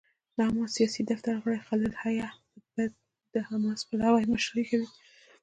د حماس سیاسي دفتر غړی خلیل الحية به د حماس پلاوي مشري کوي.